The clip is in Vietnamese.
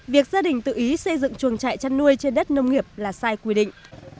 việc gia đình tự ý xây dựng chuồng trại chăn nuôi trên đất nông nghiệp là sai quy định